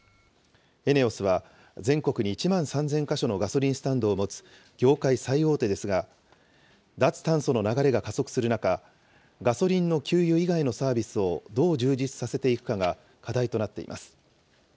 ＥＮＥＯＳは、全国に１万３０００か所のガソリンスタンドを持つ業界最大手ですが、脱炭素の流れが加速する中、ガソリンの給油以外のサービスをどう充実させていくかが課題となっています。